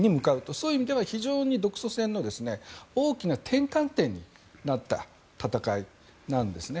そういう意味では非常に独ソ戦の大きな転換点になった戦いなんですね。